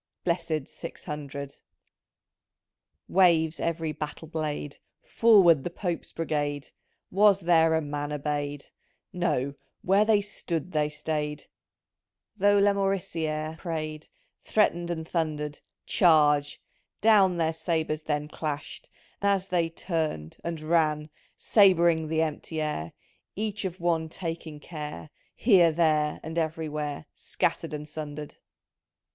Blessid Six Hundred ! Waves every battle blade, —" Forward the Pope's Brigade !'.' Was there a man obeyed ? No — where they stood they stayed, Though Laraorici^re pray'd, Threatened and thundered —" Charge !" Down their sabres then Clashed, as they turn'd — and ran — Sab'ring the empty air, Each of one taking care, Here, there, and everywhere Scattered and sundered.